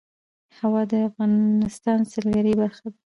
هوا د افغانستان د سیلګرۍ برخه ده.